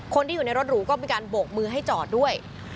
คนที่อยู่ในรถหรูก็มีการโบกมือให้จอดด้วย